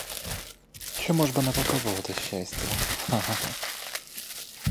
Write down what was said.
Чому ж би не попробувати щастя, ха, ха, ха!